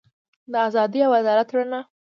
د ازادۍ او عدالت رڼا.